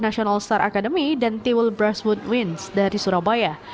national star academy dan tiwul brasswood winds dari surabaya